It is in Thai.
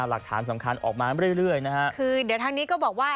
หลักฐานสำคัญออกมาเรื่อยเรื่อยนะฮะคือเดี๋ยวทางนี้ก็บอกว่า